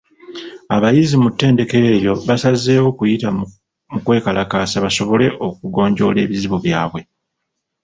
Abayizi mu ttendekero eryo baasazeewo kuyita mu kwekalakaasa basobole okugonjoola ebizibu byabwe.